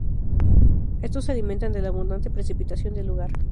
Estos se alimentan de la abundante precipitación del lugar.